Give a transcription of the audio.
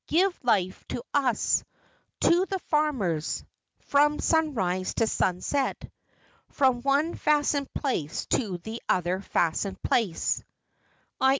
Give life to us— To the farmers— From sunrise to sunset From one fastened place to the other fastened place [i.